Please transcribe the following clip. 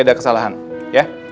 ada kesalahan ya